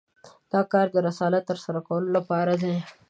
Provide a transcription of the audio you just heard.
دا کار د رسالت تر سره کولو لپاره دی.